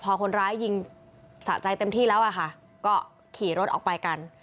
พอคนร้ายยิงสะใจเต็มที่แล้วอะค่ะก็ขี่รถออกไปกัน